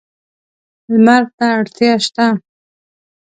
لمر ته اړتیا شته.